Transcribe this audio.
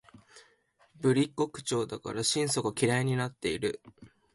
ぶりっ子口調だから心底嫌になっている